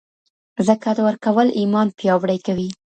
زکات ورکول ایمان پیاوړی کوي.